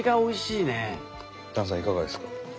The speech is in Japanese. いかがですか？